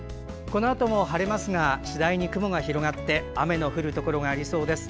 このあとも晴れますが次第に雲が広がって雨の降るところがありそうです。